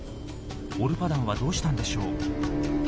オルパダンはどうしたんでしょう？